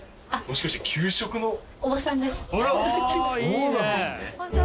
そうなんですね。